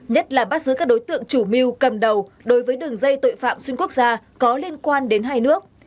nhất là bắt giữ các đối tượng chủ mưu cầm đầu đối với đường dây tội phạm xuyên quốc gia có liên quan đến hai nước